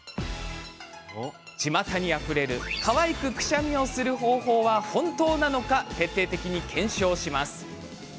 ちまたにあふれるかわいくくしゃみをする方法は本当なのか徹底的に検証します。